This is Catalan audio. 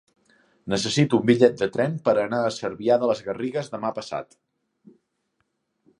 Necessito un bitllet de tren per anar a Cervià de les Garrigues demà passat.